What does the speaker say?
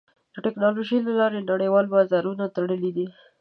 د ټکنالوجۍ له لارې نړیوال بازارونه تړلي دي.